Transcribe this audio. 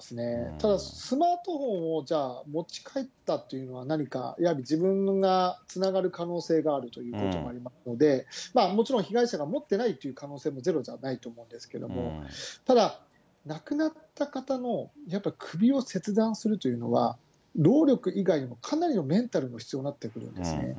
ただ、スマートフォンをじゃあ持ち帰ったというのは、何か、やはり自分がつながる可能性があるということがありますので、もちろん、被害者が持ってないっていう可能性もゼロじゃないと思うんですけれども、ただ、亡くなった方のやっぱり首を切断するというのは、労力以外にもかなりのメンタルも必要になってくるんですね。